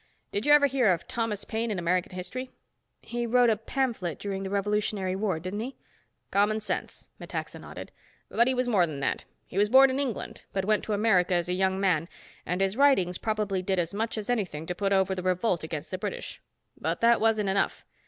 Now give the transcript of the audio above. Did you ever hear of Thomas Paine in American history?" "He wrote a pamphlet during the Revolutionary War, didn't he?" " 'Common Sense,' " Metaxa nodded. "But he was more than that. He was born in England but went to America as a young man and his writings probably did as much as anything to put over the revolt against the British. But that wasn't enough.